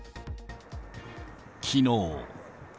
きのう。